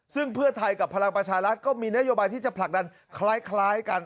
ซึ่งเพื่อไทยกับพลังประชารัฐก็มีนโยบายที่จะผลักดันคล้ายกัน